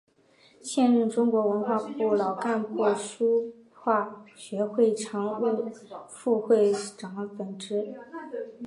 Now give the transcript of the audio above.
现任中国文化部老干部书画学会常务副会长等职。